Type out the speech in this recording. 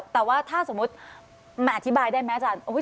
แต่ว่าถ้าสมมุติมันอธิบายได้ไหมอาจารย์